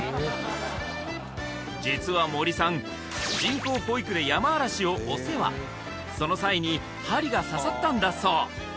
実は森さん人工哺育でヤマアラシをお世話その際に針が刺さったんだそう